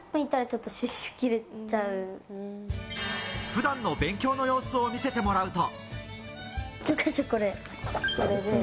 普段の勉強の様子を見せてもらおうと。